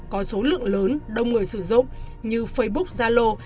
có số lượng lớn đông người sử dụng như facebook zalo